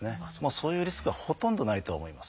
そういうリスクはほとんどないとは思います。